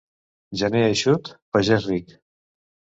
Gener eixut, pagès ric.